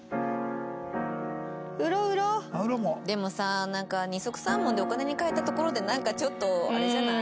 でもさ二束三文でお金に換えたところでなんかちょっとあれじゃない？